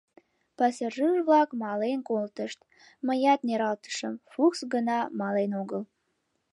Пассажир-влак мален колтышт, мыят нералтышым, Фукс гына мален огыл.